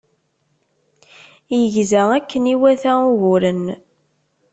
Yegza akken iwata uguren.